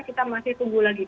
kita masih tunggu lagi